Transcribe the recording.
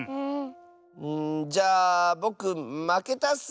じゃあぼくまけたッス！